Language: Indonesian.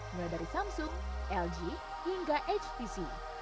mulai dari samsung lg hingga htc